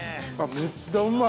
めっちゃうまい！